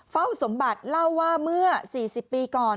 เฝ้าสมบัติเล่าว่าเมื่อ๔๐ปีก่อน